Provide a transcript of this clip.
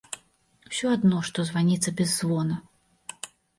Усё адно, што званіца без звона!